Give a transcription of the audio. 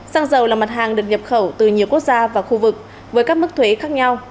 xăng dầu là mặt hàng được nhập khẩu từ nhiều quốc gia và khu vực với các mức thuế khác nhau